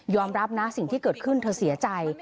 รับนะสิ่งที่เกิดขึ้นเธอเสียใจ